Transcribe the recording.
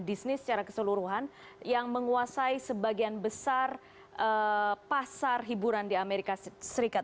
bisnis secara keseluruhan yang menguasai sebagian besar pasar hiburan di amerika serikat